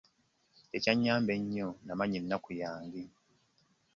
Ekyannyamba ennyo namanya ennaku yange.